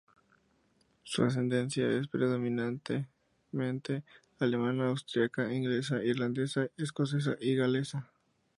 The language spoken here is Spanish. Su ascendencia es predominantemente alemana, austriaca, inglesa, irlandesa, escocesa y galesa.